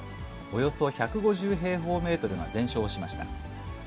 およそ１５０平方メートルが全焼しました。